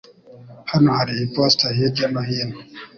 Hano hari iposita hirya no hino?